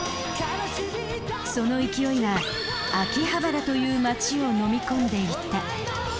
その勢いは秋葉原という街をのみ込んでいった。